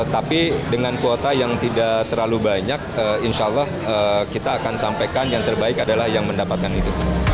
tapi dengan kuota yang tidak terlalu banyak insya allah kita akan sampaikan yang terbaik adalah yang mendapatkan itu